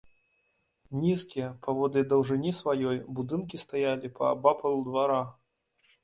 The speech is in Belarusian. Нізкія, паводле даўжыні сваёй, будынкі стаялі паабапал двара.